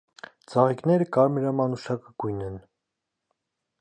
Ծաղիկները կարմրամանուշակագույն են։